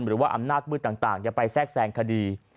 หรือว่าอำนาจมืดต่างอย่าไปแทรกแทรงคดี